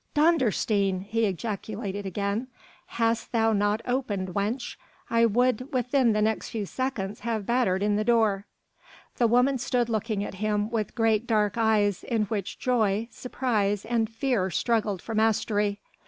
"Dondersteen!" he ejaculated again, "hadst thou not opened, wench, I would within the next few seconds have battered in the door." The woman stood looking at him with great, dark eyes in which joy, surprise and fear struggled for mastery.